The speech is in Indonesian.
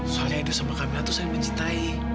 soalnya edo sama kamila tuh sayang mencintai